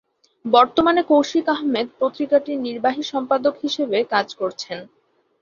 বর্তমানে কৌশিক আহমেদ পত্রিকাটির নির্বাহী সম্পাদক হিসেবে কাজ করছেন।